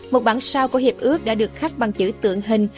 một bản sao của hiệp ước đã được khắc bằng chữ tượng hình